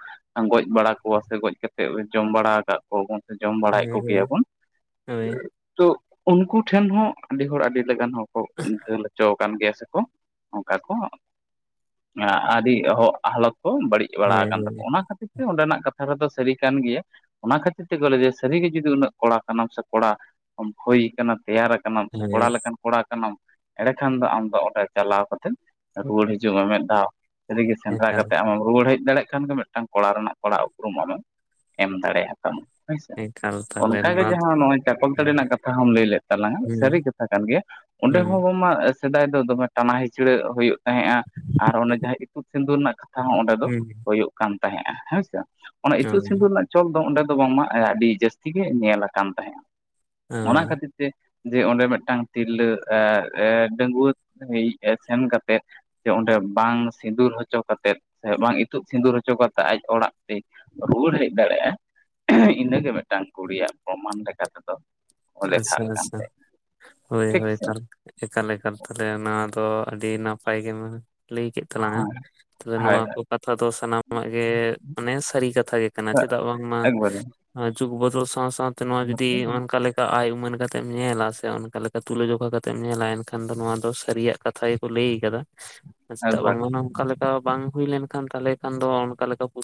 ᱜᱚᱡ ᱵᱟᱲᱟ ᱠᱚᱣᱟ ᱥᱮ ᱜᱚᱡ ᱠᱟᱛᱮ ᱡᱚᱢ ᱵᱟᱲᱟ ᱟᱠᱟᱫ᱾ ᱠᱚᱵᱚᱱ ᱥᱮ ᱡᱚᱢ ᱵᱟᱲᱟᱭᱮᱫ ᱦᱳᱭ ᱦᱳᱭ ᱠᱚᱜᱮᱭᱟᱵᱚᱱ ᱦᱳᱭ ᱛᱚ ᱩᱱᱠᱩ ᱴᱷᱮᱱ ᱦᱚᱸ ᱟᱹᱰᱤ ᱦᱚᱲ ᱟᱹᱰᱤ᱾ ᱞᱮᱠᱟᱱ ᱦᱚᱸ ᱠᱚ ᱜᱷᱟᱹᱞ ᱦᱚᱪᱚ᱾ ᱠᱟᱱ ᱜᱮᱭᱟ ᱥᱮᱠᱚ ᱚᱱᱠᱟ ᱠᱚ ᱟᱹᱰᱤ ᱦᱚ-ᱦᱟᱞᱚᱛ ᱠᱚ ᱵᱟᱹᱲᱤᱡ᱾ ᱵᱟᱲᱟ ᱟᱠᱟᱱ ᱛᱟᱠᱚᱣᱟ ᱦᱳᱭ ᱚᱱᱟ ᱠᱷᱟᱹᱛᱤᱨ ᱛᱮ ᱚᱸᱰᱮᱱᱟᱜ ᱠᱟᱛᱷᱟ ᱨᱮᱫᱚ ᱥᱟᱹᱨᱤ ᱠᱟᱱ ᱜᱮᱭᱟ᱾ ᱚᱱᱟ ᱠᱷᱟᱹᱛᱤᱨ ᱛᱮᱜᱮ ᱞᱟᱹᱭ ᱥᱟᱹᱨᱤᱜᱮ ᱡᱩᱫᱤ ᱩᱱᱟᱹᱜ ᱠᱚᱲᱟ ᱠᱟᱱᱟᱢ ᱥᱮ ᱠᱚᱲᱟ ᱦᱳᱭ ᱠᱟᱱᱟ ᱥᱮ ᱛᱮᱭᱟᱨ ᱟ ᱠᱟᱱᱟᱢ ᱥᱮ ᱠᱚᱲᱟ ᱦᱳᱭ ᱞᱮᱠᱟᱱ ᱠᱚᱲᱟ ᱠᱟᱱᱟᱢ ᱮᱸᱲᱮᱠᱷᱟᱱ ᱫᱚ ᱟᱢ ᱫᱚ ᱚᱸᱰᱮ ᱪᱟᱞᱟᱣ ᱠᱟᱛᱮᱫ ᱨᱩᱣᱟᱹᱲ ᱦᱤᱡᱩᱜ ᱢᱮ ᱢᱮᱫ ᱫᱷᱟᱣ᱾ ᱥᱟᱹᱨᱤᱜᱮ ᱥᱮᱸᱫᱽᱨᱟ ᱮᱠᱟᱞ ᱠᱟᱛᱮ ᱟᱢᱮᱢ ᱨᱩᱣᱟᱹᱲ ᱦᱮᱡ ᱫᱟᱲᱮᱜ ᱠᱷᱟᱱ ᱜᱮ ᱢᱮᱫ ᱢᱤᱫᱴᱟᱝ ᱠᱚᱲᱟ ᱨᱮᱱᱟᱜ ᱠᱚᱲᱟ ᱩᱯᱨᱩᱢ ᱟᱢᱮᱢ ᱮᱢ ᱫᱟᱲᱮ ᱟᱛᱟᱢᱟᱢ ᱦᱳᱭᱥᱮ᱾ ᱮᱠᱟᱞ ᱛᱟᱦᱚᱞᱮ ᱚᱱᱠᱟᱜᱮ ᱱᱚᱣᱟ ᱡᱟᱦᱟᱸ ᱱᱚᱜ-ᱚᱭ ᱪᱟᱠᱚᱞ ᱛᱟᱹᱲᱤ ᱦᱩᱸ ᱨᱮᱱᱟᱜ ᱠᱟᱛᱷᱟ ᱦᱚᱸᱢ ᱞᱟᱹᱭ ᱞᱮᱫ ᱛᱟᱞᱟᱝᱟ, ᱥᱟᱹᱨᱤ ᱦᱩᱸ ᱠᱟᱛᱷᱟ ᱠᱟᱱ ᱜᱮᱭᱟ᱾ ᱚᱸᱰᱮ ᱦᱚᱸ ᱦᱩᱸ ᱵᱟᱝᱢᱟ ᱥᱮᱫᱟᱭ ᱫᱚ ᱫᱚᱢᱮ ᱴᱟᱱᱟ ᱦᱤᱪᱲᱟᱹᱜ ᱦᱳᱭᱳᱜ ᱛᱟᱦᱮᱸᱜ-ᱟ, ᱟᱨ ᱚᱱᱮ ᱡᱟᱦᱟᱸ ᱤᱛᱩᱫ ᱥᱤᱸᱫᱩᱨ ᱨᱮᱱᱟᱜ ᱠᱟᱛᱷᱟ ᱦᱚᱸ ᱚᱸᱰᱮ ᱫᱚ ᱦᱩᱭᱩᱜ ᱠᱟᱱ ᱛᱟᱦᱮᱸᱜ-ᱟ ᱦᱳᱭ ᱥᱮ᱾ ᱚᱱᱟ ᱤᱛᱩᱫ ᱦᱩᱸ ᱥᱤᱸᱫᱩᱨ ᱨᱮᱱᱟᱜ ᱪᱚᱞ ᱫᱚ ᱚᱸᱰᱮ ᱫᱚ ᱵᱟᱝᱢᱟ ᱟᱭᱟᱜ ᱰᱤ ᱡᱟᱹᱥᱛᱤ ᱜᱮ ᱧᱮᱞ ᱟᱠᱟᱱ ᱛᱟᱦᱮᱸᱫ-ᱟ᱾ ᱚᱱᱟ ᱠᱷᱟᱹᱛᱤᱨ ᱛᱮ ᱡᱮ ᱚᱸᱰᱮ ᱢᱮᱫᱴᱟᱝ ᱛᱤᱨᱞᱟᱹ ᱮ-ᱮ ᱰᱟᱺᱜᱩᱣᱟᱹ ᱦᱤᱡ [INAUDIBLE] ᱥᱮᱱ ᱠᱟᱛᱮᱫ ᱡᱮ ᱚᱸᱰᱮ ᱵᱟᱝ ᱥᱤᱸᱫᱩᱨ ᱦᱚᱪᱚ ᱠᱟᱛᱮᱫ ᱥᱮ ᱵᱟᱝ ᱤᱛᱩᱫ ᱥᱤᱸᱫᱩᱨ ᱦᱚᱪᱚ ᱠᱟᱛᱮᱫ ᱟᱡ ᱚᱲᱟᱜ ᱛᱮ ᱨᱩᱣᱟᱹᱲ ᱦᱮᱡ ᱫᱟᱲᱮᱜ-ᱟ, ᱤᱱᱟᱹᱜᱮ ᱢᱤᱫᱴᱟᱝ ᱠᱩᱲᱤᱭᱟᱜ ᱯᱨᱚᱢᱟᱱ ᱞᱮᱠᱟ ᱛᱮ ᱫᱚ᱾ ᱠᱚ ᱟᱪᱪᱷᱟ ᱞᱮᱠᱷᱟᱜ ᱠᱟᱱ ᱟᱪᱪᱷᱟ ᱛᱟᱦᱮᱫ᱾ ᱦᱳᱭ ᱦᱳᱭ ᱛᱟᱦᱞᱮ ᱮᱠᱟᱞ ᱮᱠᱟᱞ ᱛᱟᱦᱞᱮ ᱱᱚᱣᱟ ᱫᱚ ᱟᱹᱰᱤ ᱱᱟᱯᱟᱭ ᱜᱮ ᱢᱮᱱᱮᱜ-ᱟ ᱾ ᱞᱟᱹᱭ ᱠᱮᱫ ᱛᱟᱞᱟᱝᱟ᱾ ᱛᱚᱵᱮ ᱱᱚᱣᱟ ᱠᱚ ᱠᱟᱛᱷᱟ ᱫᱚ ᱥᱟᱱᱟᱢᱟᱜ ᱜᱮ ᱢᱟᱱᱮ ᱥᱟᱹᱨᱤ ᱠᱟᱛᱷᱟ ᱜᱮ ᱠᱟᱱᱟ ᱪᱮᱫᱟᱜ ᱵᱟᱝᱢᱟ ᱡᱩᱜᱽ ᱵᱚᱫᱚᱞ ᱥᱟᱶ ᱥᱟᱶᱛᱮ ᱱᱚᱣᱟ ᱡᱩᱫᱤ ᱚᱱᱠᱟ ᱞᱮ ᱠᱟ ᱟᱭ ᱩᱢᱟᱹᱱ ᱠᱟᱛᱮ ᱮᱢ ᱧᱮᱞᱟ ᱥᱮ ᱚᱱᱠᱟ ᱞᱮᱠᱟ ᱛᱩᱞᱟᱹᱡᱚᱠᱷᱟ ᱠᱟᱛᱮ ᱮᱢ ᱧᱮᱞᱟ ᱮᱱᱠᱷᱟᱱ ᱫᱚ ᱱᱚᱣᱟ ᱫᱚ ᱥᱟᱹᱨᱤᱭᱟᱜ ᱠᱟᱛᱷᱟ ᱜᱮ ᱠᱚ ᱞᱟᱹᱭ ᱟᱠᱟᱫᱟ᱾ ᱪᱮᱫᱟᱜ ᱵᱟᱝᱢᱟ ᱱᱚᱝᱠᱟ ᱞᱮᱠᱟ ᱵᱟᱝ ᱦᱩᱭ ᱞᱮᱱᱠᱷᱟᱱ ᱛᱟᱦᱚᱞᱮ ᱠᱷᱟᱱ ᱫᱚ ᱚᱱᱠᱟ ᱞᱮᱠᱟ ᱵᱟᱝ ᱚᱱᱠᱟ ᱞᱮᱠᱟ ᱯᱩ